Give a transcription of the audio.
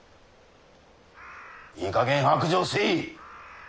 いいかげん白状せい。